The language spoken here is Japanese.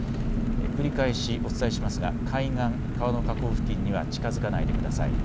繰り返しお伝えしますが海岸、川の河口付近には近づかないでください。